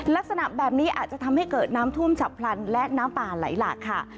ลักษณะแบบนี้อาจจะทำให้เกิดน้ำท่วมฉับพลันและน้ำป่าไหลหลากค่ะ